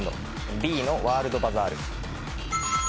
Ｂのワールドバザール。